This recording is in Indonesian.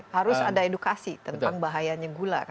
harus ada edukasi tentang bahayanya gula